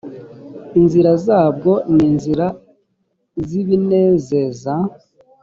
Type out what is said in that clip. inzira zabwo ni inzira z’ ibinezeza.